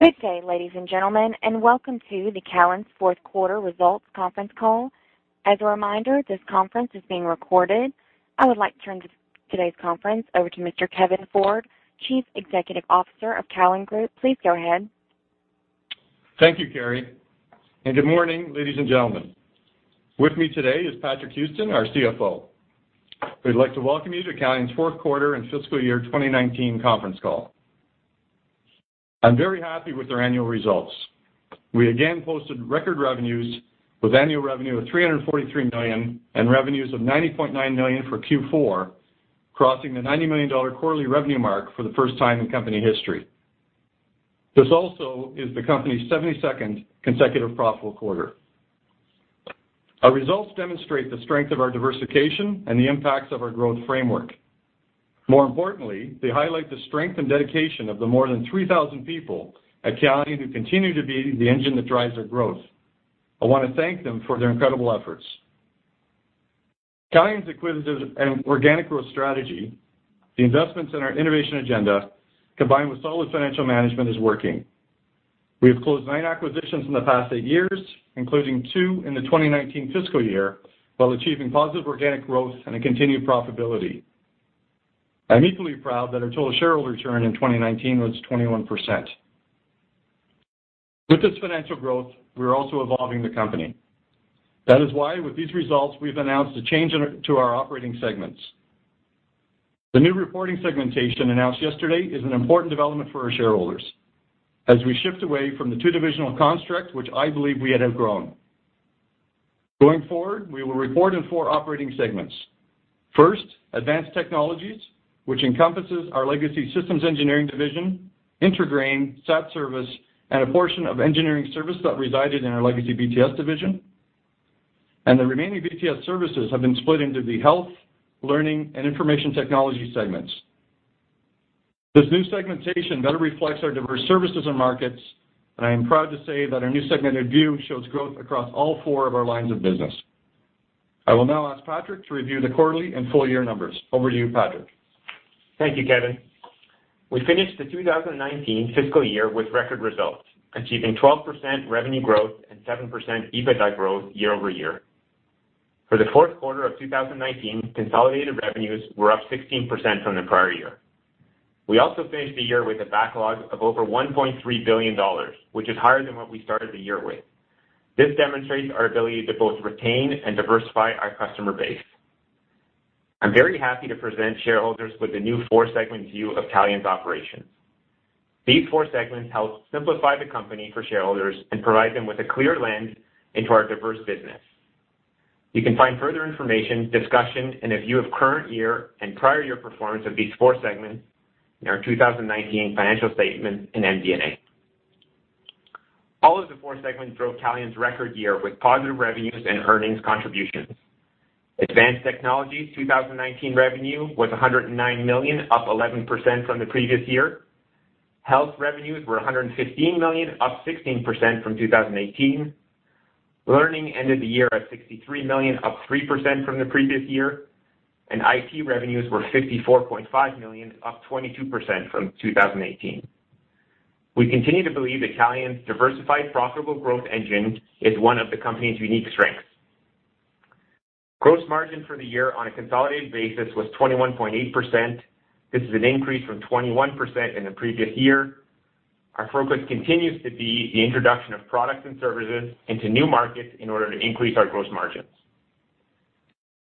Good day, ladies and gentlemen, welcome to the Calian's fourth quarter results conference call. As a reminder, this conference is being recorded. I would like to turn today's conference over to Mr. Kevin Ford, Chief Executive Officer of Calian Group. Please go ahead. Thank you, Kerry. Good morning, ladies and gentlemen. With me today is Patrick Houston, our CFO. We'd like to welcome you to Calian's fourth quarter and fiscal year 2019 conference call. I'm very happy with our annual results. We again posted record revenues with annual revenue of 343 million and revenues of 90.9 million for Q4, crossing the 90 million dollar quarterly revenue mark for the first time in company history. This also is the company's 72nd consecutive profitable quarter. Our results demonstrate the strength of our diversification and the impacts of our growth framework. More importantly, they highlight the strength and dedication of the more than 3,000 people at Calian who continue to be the engine that drives our growth. I want to thank them for their incredible efforts. Calian's acquisitive and organic growth strategy, the investments in our innovation agenda, combined with solid financial management, is working. We have closed nine acquisitions in the past eight years, including two in the 2019 fiscal year, while achieving positive organic growth and a continued profitability. I'm equally proud that our total shareholder return in 2019 was 21%. With this financial growth, we're also evolving the company. That is why, with these results, we've announced a change to our operating segments. The new reporting segmentation announced yesterday is an important development for our shareholders as we shift away from the two divisional construct, which I believe we had outgrown. Going forward, we will report in four operating segments. First, Advanced Technologies, which encompasses our legacy Systems Engineering division, IntraGrain, SatService, and a portion of engineering service that resided in our legacy BTS division, and the remaining BTS services have been split into the Health, Learning, and Information Technology segments. This new segmentation better reflects our diverse services and markets, and I am proud to say that our new segmented view shows growth across all four of our lines of business. I will now ask Patrick to review the quarterly and full-year numbers. Over to you, Patrick. Thank you, Kevin. We finished the 2019 fiscal year with record results, achieving 12% revenue growth and 7% EBITDA growth year-over-year. For the fourth quarter of 2019, consolidated revenues were up 16% from the prior year. We also finished the year with a backlog of over 1.3 billion dollars, which is higher than what we started the year with. This demonstrates our ability to both retain and diversify our customer base. I'm very happy to present shareholders with the new four-segment view of Calian's operations. These four segments help simplify the company for shareholders and provide them with a clear lens into our diverse business. You can find further information, discussion, and a view of current year and prior year performance of these four segments in our 2019 financial statement in MD&A. All of the four segments drove Calian's record year with positive revenues and earnings contributions. Advanced Technologies' 2019 revenue was 109 million, up 11% from the previous year. Health revenues were 115 million, up 16% from 2018. Learning ended the year at 63 million, up 3% from the previous year, and IT revenues were 54.5 million, up 22% from 2018. We continue to believe that Calian's diversified, profitable growth engine is one of the company's unique strengths. Gross margin for the year on a consolidated basis was 21.8%. This is an increase from 21% in the previous year. Our focus continues to be the introduction of products and services into new markets in order to increase our gross margins.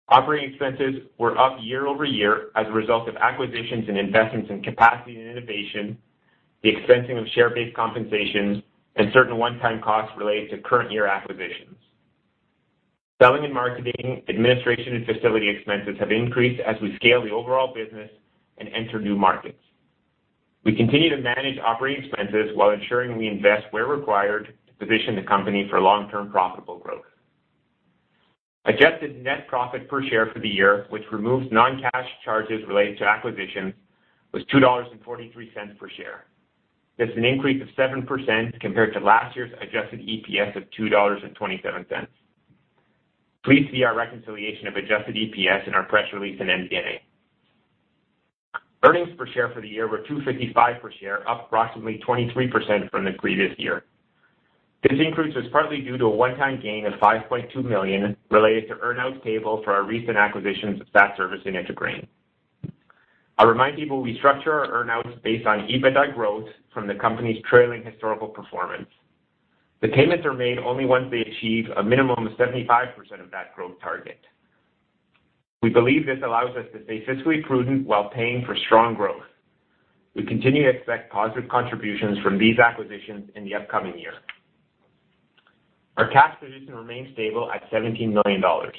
Operating expenses were up year-over-year as a result of acquisitions and investments in capacity and innovation, the expensing of share-based compensations, and certain one-time costs related to current year acquisitions. Selling and marketing, administration, and facility expenses have increased as we scale the overall business and enter new markets. We continue to manage operating expenses while ensuring we invest where required to position the company for long-term profitable growth. Adjusted net profit per share for the year, which removes non-cash charges related to acquisitions, was 2.43 dollars per share. This is an increase of 7% compared to last year's adjusted EPS of 2.27 dollars. Please see our reconciliation of adjusted EPS in our press release in MD&A. Earnings per share for the year were 2.55 per share, up approximately 23% from the previous year. This increase was partly due to a one-time gain of 5.2 million related to earn-outs payable for our recent acquisitions of SatService and IntraGrain. I'll remind people we structure our earn-outs based on EBITDA growth from the company's trailing historical performance. The payments are made only once they achieve a minimum of 75% of that growth target. We believe this allows us to stay fiscally prudent while paying for strong growth. We continue to expect positive contributions from these acquisitions in the upcoming year. Our cash position remains stable at 17 million dollars.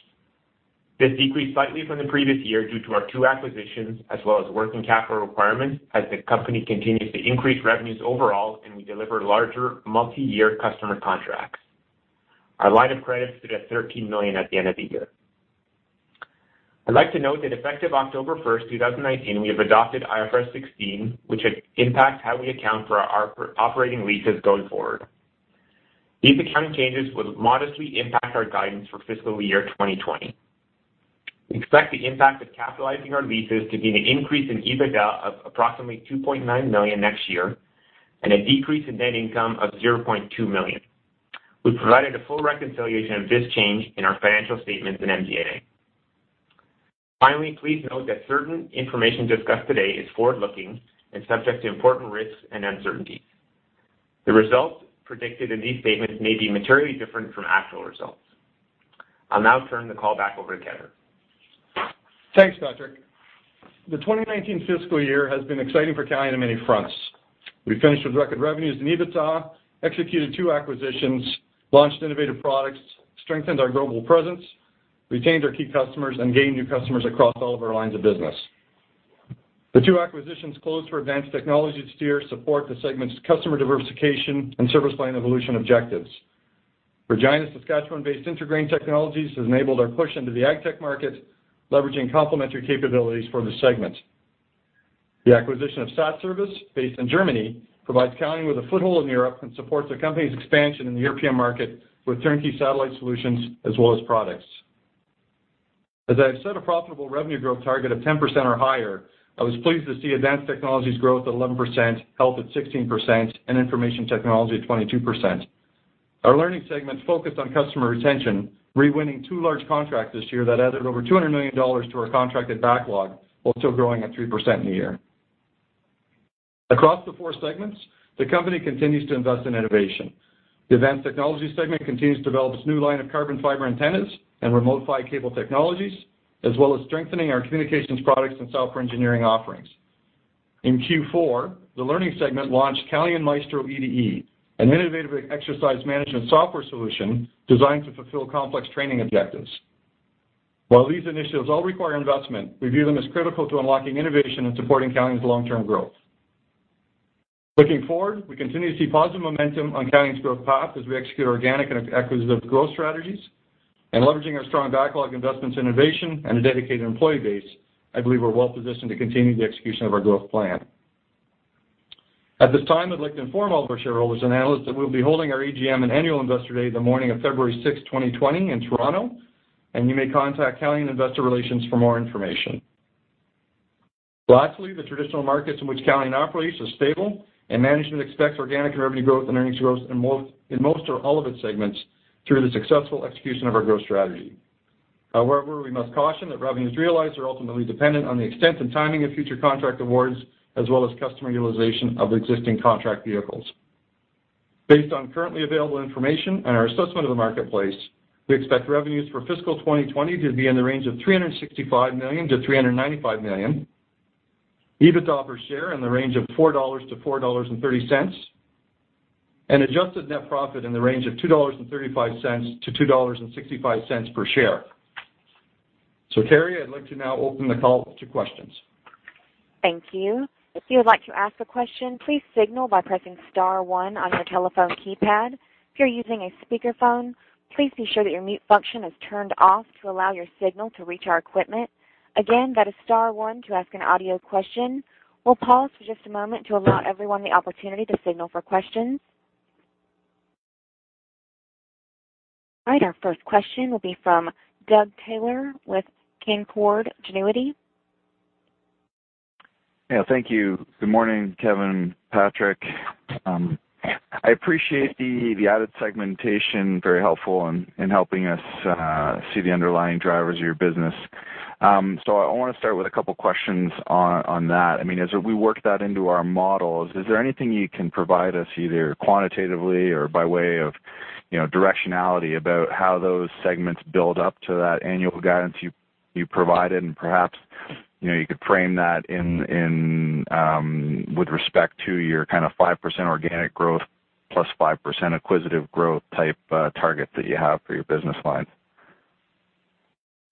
This decreased slightly from the previous year due to our two acquisitions, as well as working capital requirements, as the company continues to increase revenues overall and we deliver larger multi-year customer contracts. Our line of credit stood at 13 million at the end of the year. I'd like to note that effective October 1st, 2019, we have adopted IFRS 16, which impacts how we account for our operating leases going forward. These accounting changes will modestly impact our guidance for fiscal year 2020. We expect the impact of capitalizing our leases to be an increase in EBITDA of approximately 2.9 million next year and a decrease in net income of 0.2 million. We provided a full reconciliation of this change in our financial statements in MD&A. Please note that certain information discussed today is forward-looking and subject to important risks and uncertainties. The results predicted in these statements may be materially different from actual results. I'll now turn the call back over to Kevin. Thanks, Patrick. The 2019 fiscal year has been exciting for Calian on many fronts. We finished with record revenues and EBITDA, executed two acquisitions, launched innovative products, strengthened our global presence, retained our key customers, and gained new customers across all of our lines of business. The two acquisitions closed for Advanced Technologies to support the segment's customer diversification and service line evolution objectives. Regina, Saskatchewan-based IntraGrain Technologies has enabled our push into the ag tech market, leveraging complementary capabilities for the segment. The acquisition of SatService, based in Germany, provides Calian with a foothold in Europe and supports the company's expansion in the European market with turnkey satellite solutions as well as products. As I set a profitable revenue growth target of 10% or higher, I was pleased to see Advanced Technologies' growth at 11%, Health at 16%, and Information Technology at 22%. Our Learning segment focused on customer retention, re-winning two large contracts this year that added over 200 million dollars to our contracted backlog, while still growing at 3% in a year. Across the four segments, the company continues to invest in innovation. The Advanced Technology segment continues to develop its new line of carbon fiber antennas and Remote PHY cable technologies, as well as strengthening our communications products and software engineering offerings. In Q4, the Learning segment launched Calian MaestroEDE, an innovative exercise management software solution designed to fulfill complex training objectives. While these initiatives all require investment, we view them as critical to unlocking innovation and supporting Calian's long-term growth. Looking forward, we continue to see positive momentum on Calian's growth path as we execute organic and acquisitive growth strategies. Leveraging our strong backlog investments in innovation and a dedicated employee base, I believe we're well-positioned to continue the execution of our growth plan. At this time, I'd like to inform all of our shareholders and analysts that we'll be holding our AGM and Annual Investor Day the morning of February 6, 2020, in Toronto, and you may contact Calian Investor Relations for more information. Lastly, the traditional markets in which Calian operates are stable, and management expects organic revenue growth and earnings growth in most or all of its segments through the successful execution of our growth strategy. However, we must caution that revenues realized are ultimately dependent on the extent and timing of future contract awards, as well as customer utilization of existing contract vehicles. Based on currently available information and our assessment of the marketplace, we expect revenues for fiscal 2020 to be in the range of 365 million-395 million, EBITDA per share in the range of 4-4.30 dollars, adjusted net profit in the range of 2.35-2.65 dollars per share. Kerry I'd like to now open the call to questions. Thank you. If you would like to ask a question, please signal by pressing star one on your telephone keypad. If you're using a speakerphone, please be sure that your mute function is turned off to allow your signal to reach our equipment. Again, that is star one to ask an audio question. We'll pause for just a moment to allow everyone the opportunity to signal for questions. All right, our first question will be from Doug Taylor with Canaccord Genuity. Thank you. Good morning, Kevin, Patrick. I appreciate the added segmentation, very helpful in helping us see the underlying drivers of your business. I want to start with a couple questions on that. As we work that into our models, is there anything you can provide us either quantitatively or by way of directionality about how those segments build up to that annual guidance you provided? Perhaps, you could frame that with respect to your 5% organic growth plus 5% acquisitive growth type target that you have for your business line.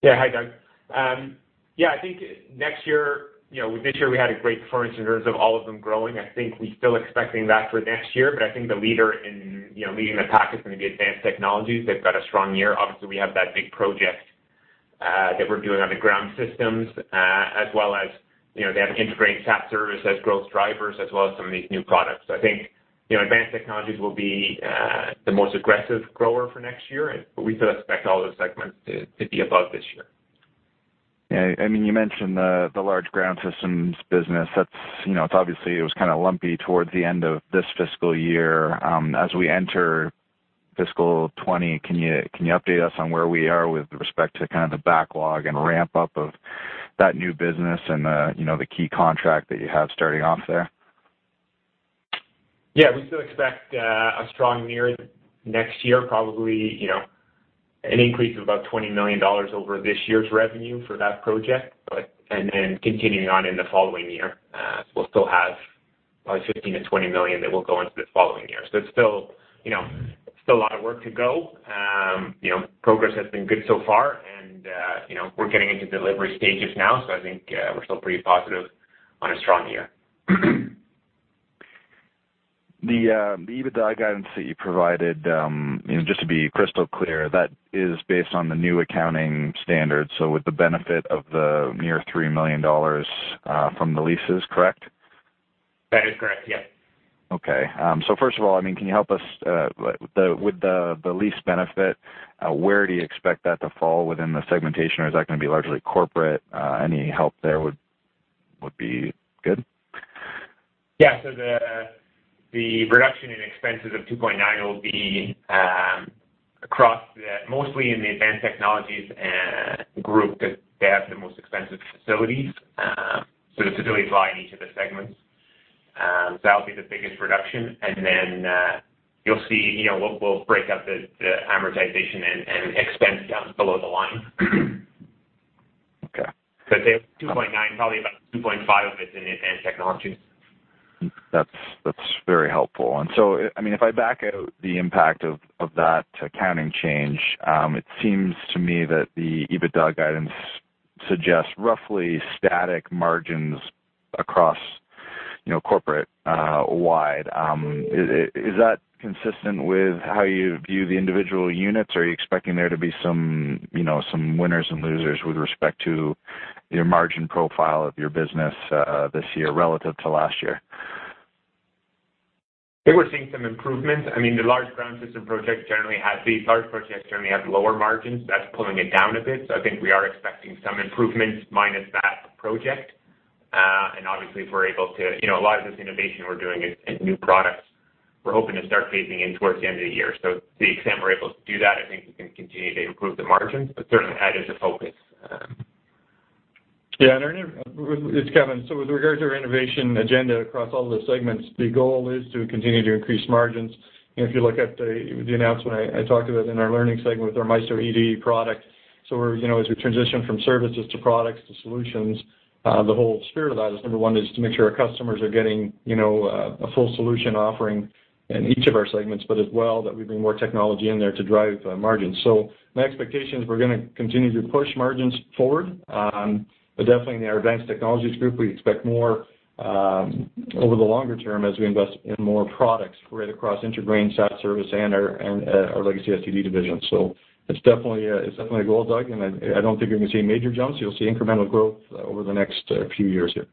Yeah. Hi, Doug. I think this year, we had a great performance in terms of all of them growing. I think we're still expecting that for next year, but I think the leader in leading the pack is going to be Advanced Technologies. They've got a strong year. Obviously, we have that big project that we're doing on the ground systems, as well as they have IntraGrain and SatService as growth drivers, as well as some of these new products. I think Advanced Technologies will be the most aggressive grower for next year, but we still expect all those segments to be above this year. You mentioned the large ground systems business. Obviously, it was lumpy towards the end of this fiscal year. As we enter fiscal 2020, can you update us on where we are with respect to the backlog and ramp-up of that new business and the key contract that you have starting off there? Yeah. We still expect a strong year next year, probably an increase of about 20 million dollars over this year's revenue for that project. Continuing on in the following year, we'll still have probably 15 million-20 million that will go into the following year. It's still a lot of work to go. Progress has been good so far, and we're getting into delivery stages now, so I think we're still pretty positive on a strong year. The EBITDA guidance that you provided, just to be crystal clear, that is based on the new accounting standard, so with the benefit of the near 3 million dollars from the leases, correct? That is correct. Yeah. Okay. First of all, can you help us with the lease benefit, where do you expect that to fall within the segmentation, or is that going to be largely corporate? Any help there would be good. Yeah. The reduction in expenses of 2.9 will be across mostly in the Advanced Technologies group, because they have the most expensive facilities. The facilities lie in each of the segments. That'll be the biggest reduction. You'll see we'll break up the amortization and expense down below the line. Okay. 2.9, probably about 2.5 of it is in Advanced Technologies. That's very helpful. If I back out the impact of that accounting change, it seems to me that the EBITDA guidance suggests roughly static margins across corporate-wide. Is that consistent with how you view the individual units, or are you expecting there to be some winners and losers with respect to your margin profile of your business this year relative to last year? I think we're seeing some improvements. The large ground system projects generally have lower margins. That's pulling it down a bit. I think we are expecting some improvements minus that project. Obviously, a lot of this innovation we're doing is in new products. We're hoping to start phasing in towards the end of the year. To the extent we're able to do that, I think we can continue to improve the margins. Certainly, that is a focus. Yeah, it's Kevin. With regard to our innovation agenda across all the segments, the goal is to continue to increase margins. If you look at the announcement I talked about in our Learning segment with our MaestroEDE product. As we transition from services to products to solutions, the whole spirit of that is, number one, to make sure our customers are getting a full solution offering in each of our segments, but as well that we bring more technology in there to drive margins. My expectation is we're going to continue to push margins forward. Definitely in our Advanced Technologies group, we expect more over the longer term as we invest in more products right across IntraGrain, SatService, and our legacy SED division. It's definitely a goal, Doug, I don't think you're going to see major jumps. You'll see incremental growth over the next few years here.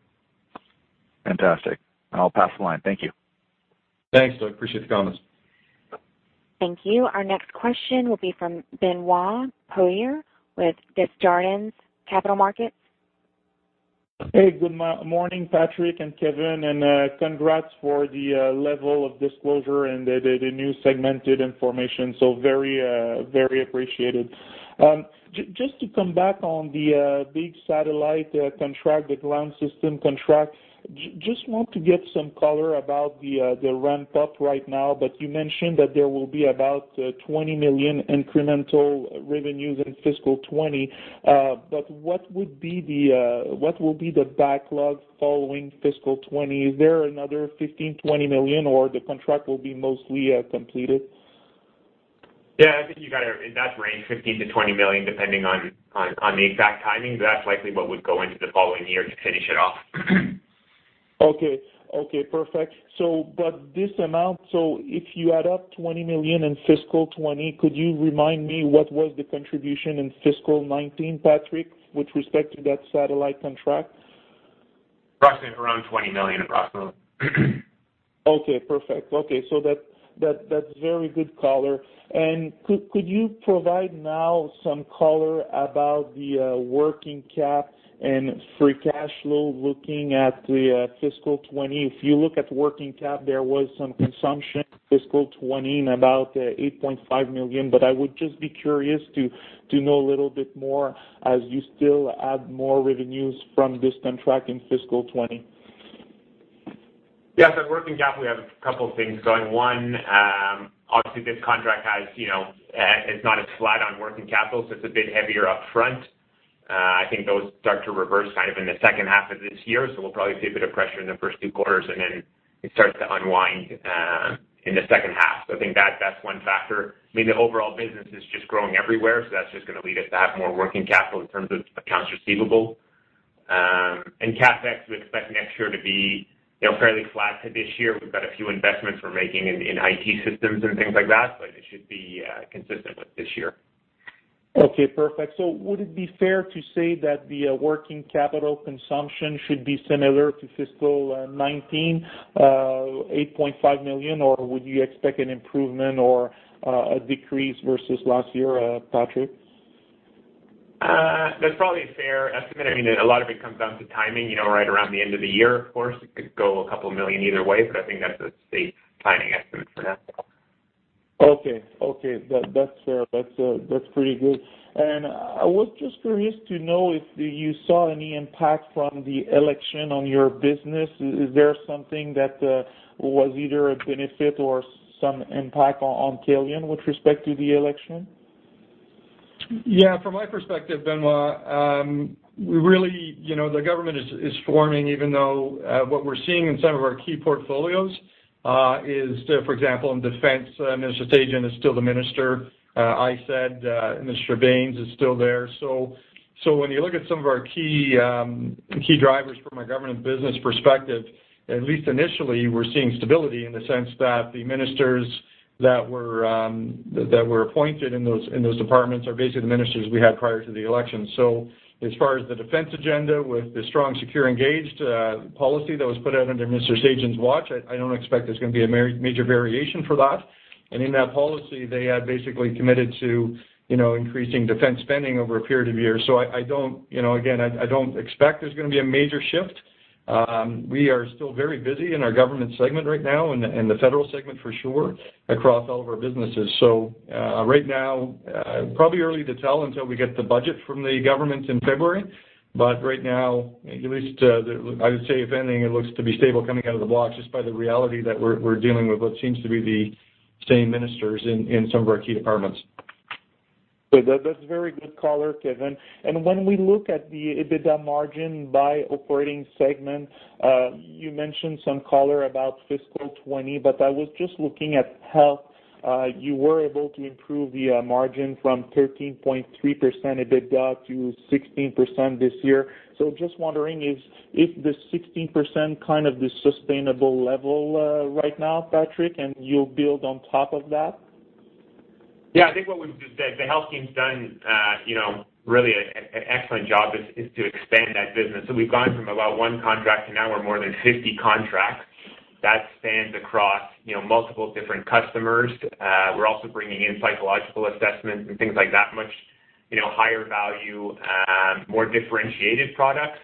Fantastic. I'll pass the line. Thank you. Thanks, Doug. Appreciate the comments. Thank you. Our next question will be from Benoit Poirier with Desjardins Capital Markets. Hey, good morning, Patrick and Kevin, congrats for the level of disclosure and the new segmented information. Very appreciated. Just to come back on the big satellite contract, the ground system contract, just want to get some color about the ramp-up right now. You mentioned that there will be about 20 million incremental revenues in FY 2020. What will be the backlog following FY 2020? Is there another 15 million-20 million, or the contract will be mostly completed? Yeah, I think in that range, 15 million-20 million, depending on the exact timing. That's likely what would go into the following year to finish it off. Okay. Perfect. This amount, if you add up 20 million in fiscal 2020, could you remind me what was the contribution in fiscal 2019, Patrick, with respect to that satellite contract? Approximately around 20 million. Okay, perfect. Okay. That's very good color. Could you provide now some color about the working cap and free cash flow looking at the fiscal 2020? If you look at working cap, there was some consumption fiscal 2020 and about 8.5 million. I would just be curious to know a little bit more as you still add more revenues from this contract in fiscal 2020. On working cap, we have a couple of things going. Obviously this contract is not as flat on working capital, it's a bit heavier upfront. I think those start to reverse kind of in the second half of this year. We'll probably see a bit of pressure in the first two quarters, it starts to unwind in the second half. I think that's one factor. I mean, the overall business is just growing everywhere, that's just going to lead us to have more working capital in terms of accounts receivable. CapEx, we expect next year to be fairly flat to this year. We've got a few investments we're making in IT systems and things like that, it should be consistent with this year. Okay, perfect. Would it be fair to say that the working capital consumption should be similar to fiscal 2019, 8.5 million? Would you expect an improvement or a decrease versus last year, Patrick? That's probably a fair estimate. A lot of it comes down to timing. Right around the end of the year, of course, it could go a couple million either way, but I think that's a safe timing estimate for now. Okay. That's fair. That's pretty good. I was just curious to know if you saw any impact from the election on your business. Is there something that was either a benefit or some impact on Calian with respect to the election? Yeah, from my perspective, Benoit, the government is forming, even though what we're seeing in some of our key portfolios is, for example, in defense, Mr. Sajjan is still the minister. Mr. Bains is still there. When you look at some of our key drivers from a government business perspective, at least initially, we're seeing stability in the sense that the ministers that were appointed in those departments are basically the ministers we had prior to the election. As far as the defense agenda with the Strong, Secure, Engaged policy that was put out under Mr. Sajjan's watch, I don't expect there's going to be a major variation for that. In that policy, they had basically committed to increasing defense spending over a period of years. Again, I don't expect there's going to be a major shift. We are still very busy in our government segment right now and the federal segment for sure, across all of our businesses. Right now, probably early to tell until we get the budget from the government in February, but right now, at least I would say if anything, it looks to be stable coming out of the blocks just by the reality that we're dealing with what seems to be the same ministers in some of our key departments. Good. That's very good color, Kevin. When we look at the EBITDA margin by operating segment, you mentioned some color about fiscal 2020, but I was just looking at how you were able to improve the margin from 13.3% EBITDA to 16% this year. Just wondering if the 16% kind of the sustainable level right now, Patrick, and you'll build on top of that? I think what we've just said, the Health team's done really an excellent job is to expand that business. We've gone from about one contract to now we're more than 50 contracts that spans across multiple different customers. We're also bringing in psychological assessments and things like that much higher value, more differentiated products.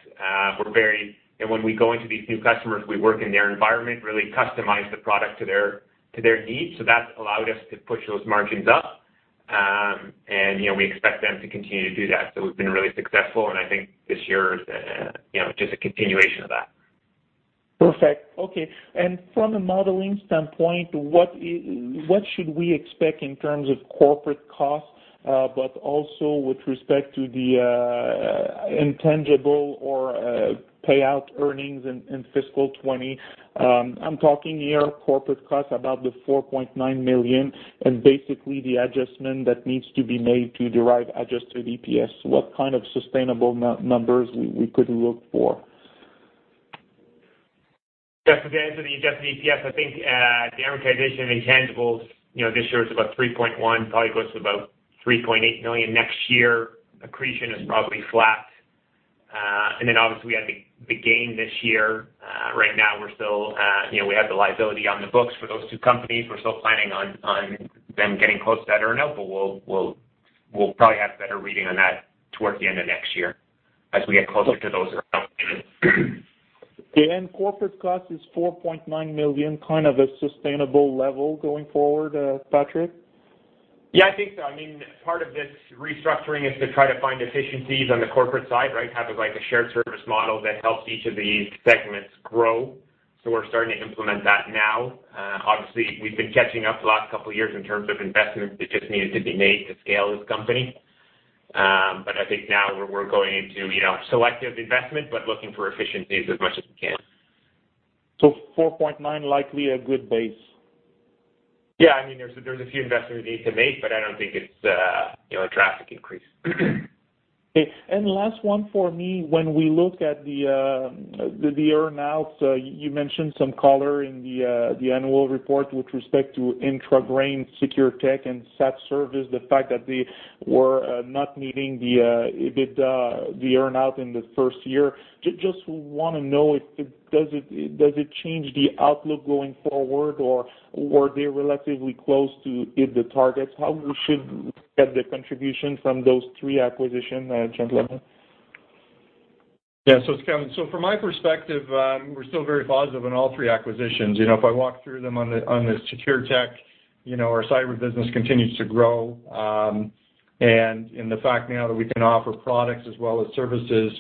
When we go into these new customers, we work in their environment, really customize the product to their needs. That's allowed us to push those margins up. We expect them to continue to do that. We've been really successful, and I think this year is just a continuation of that. Perfect. Okay. From a modeling standpoint, what should we expect in terms of corporate costs, but also with respect to the intangible or payout earnings in fiscal 2020? I'm talking here corporate costs about the 4.9 million and basically the adjustment that needs to be made to derive adjusted EPS. What kind of sustainable numbers we could look for? Yes, again, for the adjusted EPS, I think the amortization of intangibles, this year was about 3.1, probably goes to about 3.8 million next year, accretion is probably flat. Obviously we had the gain this year. Right now, we have the liability on the books for those two companies. We're still planning on them getting close to that earnout, but we'll probably have a better reading on that towards the end of next year as we get closer to those earnouts. Okay, corporate cost is 4.9 million, kind of a sustainable level going forward, Patrick? Yeah, I think so. Part of this restructuring is to try to find efficiencies on the corporate side, right? Have like a shared service model that helps each of these segments grow. We're starting to implement that now. Obviously, we've been catching up the last couple of years in terms of investments that just needed to be made to scale this company. I think now we're going into selective investment, but looking for efficiencies as much as we can. 4.9 likely a good base. Yeah, there's a few investments we need to make, but I don't think it's a drastic increase. Okay. Last one for me. When we look at the earnouts, you mentioned some color in the annual report with respect to IntraGrain, SecurTech and SatService, the fact that they were not meeting the EBITDA, the earn out in the first year. Just want to know, does it change the outlook going forward, or were they relatively close to hit the targets? How we should look at the contribution from those three acquisitions, gentlemen? Yeah, it's Kevin. From my perspective, we're still very positive on all three acquisitions. If I walk through them on the SecurTech, our cyber business continues to grow. The fact now that we can offer products as well as services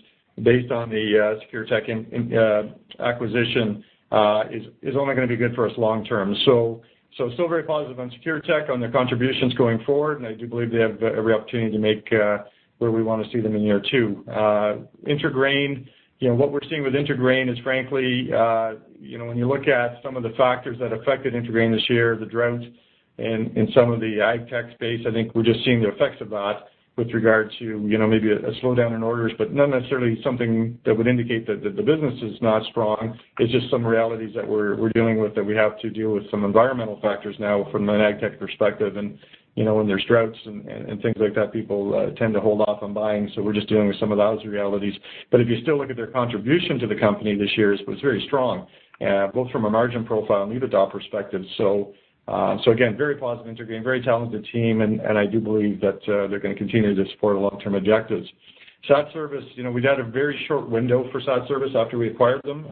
based on the SecurTech acquisition, is only going to be good for us long term. Still very positive on SecurTech, on their contributions going forward, and I do believe they have every opportunity to make where we want to see them in year two. IntraGrain, what we're seeing with IntraGrain is frankly, when you look at some of the factors that affected IntraGrain this year, the drought and some of the ag tech space, I think we're just seeing the effects of that with regard to maybe a slowdown in orders, but not necessarily something that would indicate that the business is not strong. It's just some realities that we're dealing with, that we have to deal with some environmental factors now from an AgTech perspective. When there's droughts and things like that, people tend to hold off on buying. We're just dealing with some of those realities. If you still look at their contribution to the company this year, it was very strong, both from a margin profile and EBITDA perspective. Again, very positive IntraGrain, very talented team, and I do believe that they're going to continue to support our long-term objectives. SatService, we've had a very short window for SatService after we acquired them.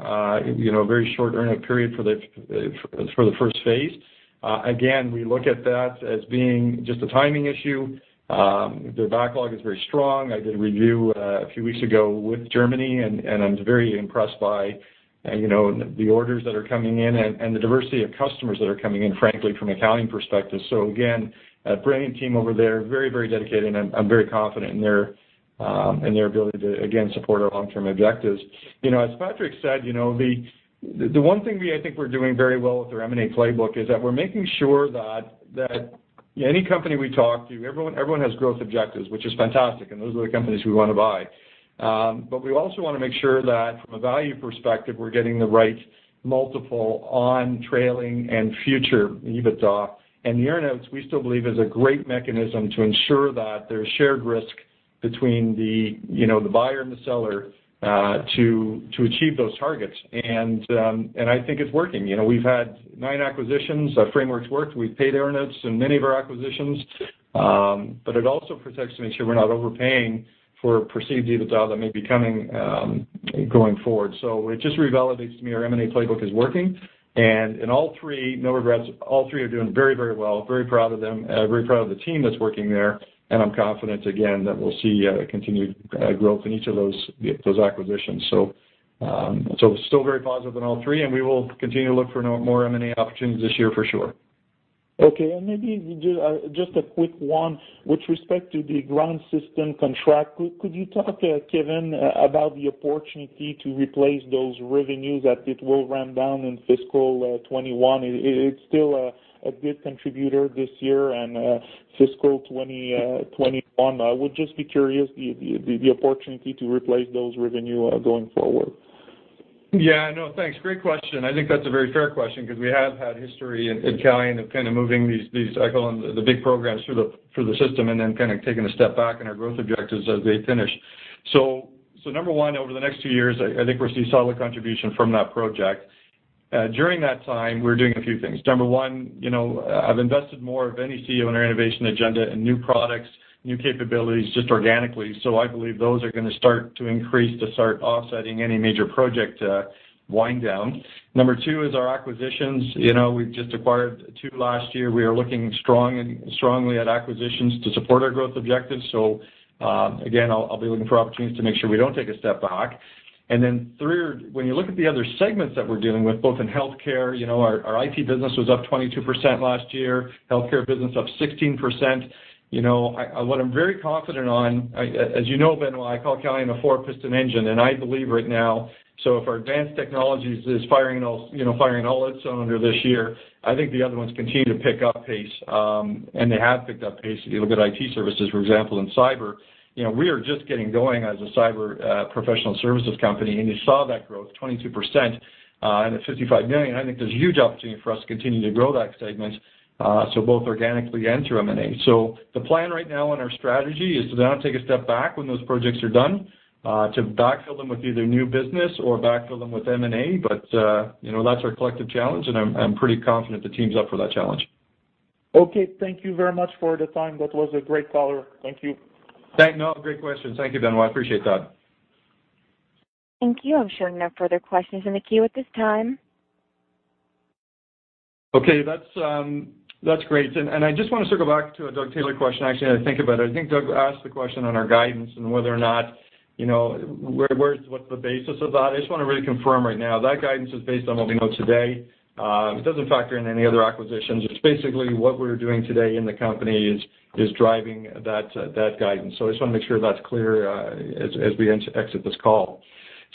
Very short earn out period for the first phase. Again, we look at that as being just a timing issue. Their backlog is very strong. I did a review a few weeks ago with SatService, and I'm very impressed by the orders that are coming in and the diversity of customers that are coming in, frankly, from accounting perspective. Again, a brilliant team over there, very dedicated, and I'm very confident in their ability to, again, support our long-term objectives. As Patrick said, the one thing we're doing very well with our M&A playbook is that we're making sure that any company we talk to, everyone has growth objectives, which is fantastic, and those are the companies we want to buy. We also want to make sure that from a value perspective, we're getting the right multiple on trailing and future EBITDA. The earnouts, we still believe is a great mechanism to ensure that there's shared risk between the buyer and the seller to achieve those targets. I think it's working. We've had nine acquisitions. Our framework's worked. We've paid earn-outs in many of our acquisitions. It also protects to make sure we're not overpaying for perceived EBITDA that may be coming going forward. It just revalidates to me our M&A playbook is working, and in all three, no regrets. All three are doing very well. Very proud of them, very proud of the team that's working there, and I'm confident again that we'll see continued growth in each of those acquisitions. Still very positive in all three, and we will continue to look for more M&A opportunities this year for sure. Okay, maybe just a quick one. With respect to the ground system contract, could you talk, Kevin, about the opportunity to replace those revenues that it will ramp down in fiscal 2021? It is still a good contributor this year and fiscal 2021. I would just be curious, the opportunity to replace those revenues going forward. No, thanks. Great question. I think that's a very fair question because we have had history at Calian of kind of moving these, I call them the big programs, through the system and then kind of taking a step back on our growth objectives as they finish. Number one, over the next two years, I think we'll see solid contribution from that project. During that time, we're doing a few things. Number one, I've invested more of any CEO on our innovation agenda in new products, new capabilities, just organically. I believe those are going to start to increase to start offsetting any major project wind down. Number two is our acquisitions. We've just acquired two last year. We are looking strongly at acquisitions to support our growth objectives. Again, I'll be looking for opportunities to make sure we don't take a step back. Three, when you look at the other segments that we're dealing with, both in healthcare, our IT business was up 22% last year, healthcare business up 16%. What I'm very confident on, as you know, Benoit, I call Calian a four-piston engine, and I believe right now. If our Advanced Technologies is firing all its cylinder this year, I think the other ones continue to pick up pace. They have picked up pace. If you look at IT services, for example, and cyber, we are just getting going as a cyber professional services company, and you saw that growth, 22%. At 55 million, I think there's huge opportunity for us to continue to grow that segment, so both organically and through M&A. The plan right now in our strategy is to not take a step back when those projects are done, to backfill them with either new business or backfill them with M&A. That's our collective challenge, and I'm pretty confident the team's up for that challenge. Okay. Thank you very much for the time. That was a great call. Thank you. No, great questions. Thank you, Benoit, appreciate that. Thank you. I'm showing no further questions in the queue at this time. Okay. That's great. I just want to circle back to a Doug Taylor question. Actually, I think about it. I think Doug asked the question on our guidance and whether or not what's the basis of that. I just want to really confirm right now. That guidance is based on what we know today. It doesn't factor in any other acquisitions. It's basically what we're doing today in the company is driving that guidance. I just want to make sure that's clear as we exit this call.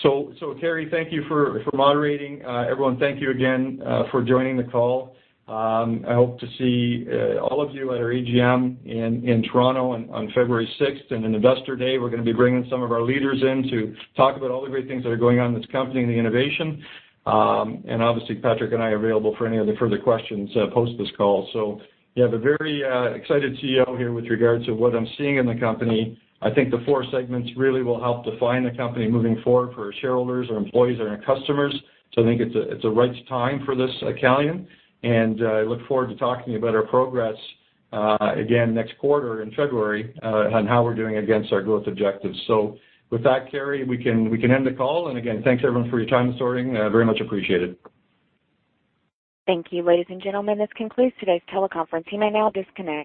Kerry, thank you for moderating. Everyone, thank you again for joining the call. I hope to see all of you at our AGM in Toronto on February 6. An investor day, we're going to be bringing some of our leaders in to talk about all the great things that are going on in this company and the innovation. Obviously, Patrick and I are available for any other further questions post this call. You have a very excited CEO here with regards to what I'm seeing in the company. I think the four segments really will help define the company moving forward for our shareholders, our employees, and our customers. I think it's a right time for this at Calian, and I look forward to talking about our progress again next quarter in February on how we're doing against our growth objectives. With that, Kerry, we can end the call. Again, thanks everyone for your time this morning. Very much appreciated. Thank you. Ladies and gentlemen, this concludes today's teleconference. You may now disconnect.